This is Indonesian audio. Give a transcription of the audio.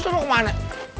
lu tuh lu kemana